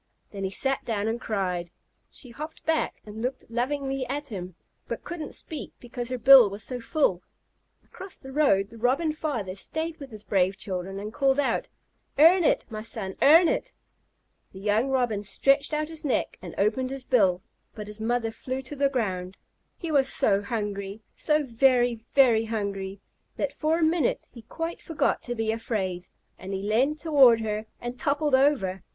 Then he sat down and cried. She hopped back and looked lovingly at him, but couldn't speak because her bill was so full. Across the road the Robin father stayed with his brave children and called out, "Earn it, my son, earn it!" The young Robin stretched out his neck and opened his bill but his mother flew to the ground. He was so hungry so very, very hungry, that for a minute he quite forgot to be afraid, and he leaned toward her and toppled over.